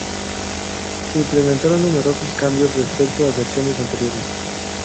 Se implementaron numerosos cambios respecto a versiones anteriores.